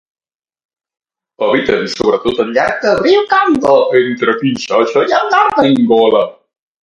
Habiten sobretot al llarg del riu Congo, entre Kinshasa i el nord d'Angola.